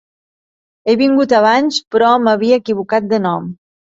He vingut abans, però m'havia equivocat de nom.